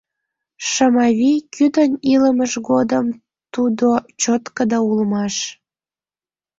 Шымавий кӱдынь илымыж годым тудо чоткыдо улмаш.